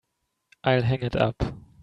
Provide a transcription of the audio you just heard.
I'll hang it up.